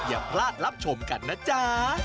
อย่าพลาดรับชมกันนะจ๊ะ